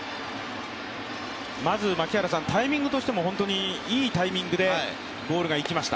まず、タイミングとしても本当にいいタイミングでボールがいきました。